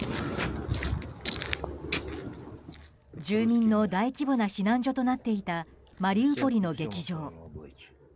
住民の大規模な避難所となっていたマリウポリの劇場。